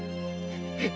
えっ！